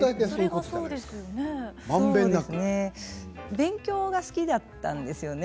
勉強が好きだったんですよね。